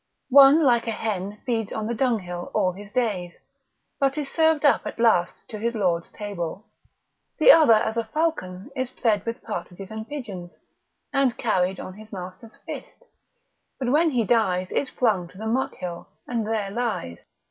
One like a hen feeds on the dunghill all his days, but is served up at last to his Lord's table; the other as a falcon is fed with partridge and pigeons, and carried on his master's fist, but when he dies is flung to the muck hill, and there lies.